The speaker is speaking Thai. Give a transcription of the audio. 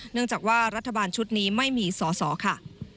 เนื่องจากว่ารัฐบาลชุดนี้ไม่มีสอสอค่ะ